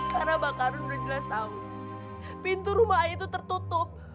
karena mbak kardun udah jelas tau pintu rumah ayah itu tertutup